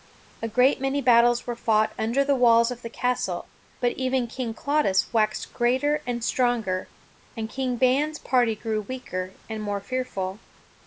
A great many battles were fought under the walls of the castle, but ever King Claudas waxed greater and stronger, and King Ban's party grew weaker and more fearful.